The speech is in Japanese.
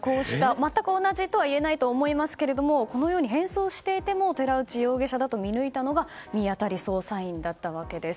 全く同じとは言えないと思いますがこのように変装していた寺内容疑者と見抜いたのが見当たり捜査員だったわけです。